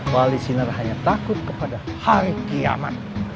wali siner hanya takut kepada hari kiamat